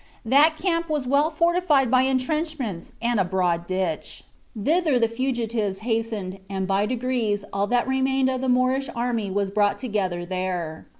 That camp was well fortified by intrenchments and a broad ditch. Thither the fugitives hastened, and by degrees all that remained of the Moorish army was brought together there.